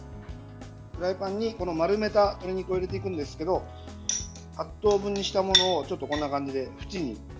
フライパンに丸めた鶏肉を入れていくんですが８等分したものをこんな感じで。